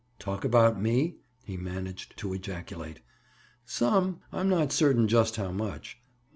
"Talk about me?" he managed to ejaculate. "Some. I'm not certain just how much."